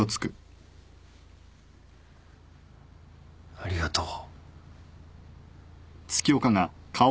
ありがとう。